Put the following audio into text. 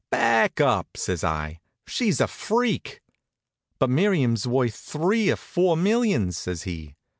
"Back up!" says I. "She's a freak." "But Miriam's worth three or four millions," says he.